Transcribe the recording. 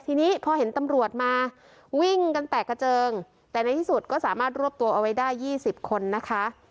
ทีนี้พอเห็นตำรวจมาวิ่งกันแตกกระเจิงแต่ในที่สุดก็สามารถรวบตัวเอาไว้ได้๒๐คนนะคะ